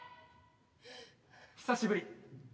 久しぶり。